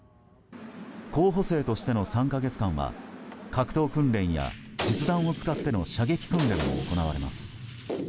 候補生としての３か月間は格闘訓練や実弾を使っての射撃訓練も行われます。